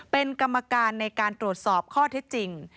เป็นกรรมการในการตรวจสอบข้อเท็จจริง